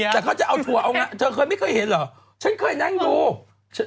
แต่เขาจะเอาถั่วเอางั้นเป็นเมื่อกี้เธอเคยไม่เคยเห็นเหรอชั้นเคยนั่งดู